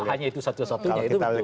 tidak hanya itu satu satunya itu betul